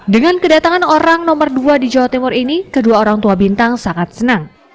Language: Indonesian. dengan kedatangan orang nomor dua di jawa timur ini kedua orang tua bintang sangat senang